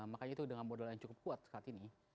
makanya itu dengan modal yang cukup kuat saat ini